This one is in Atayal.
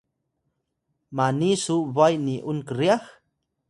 mani su bway ni’un kryax?